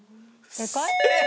正解！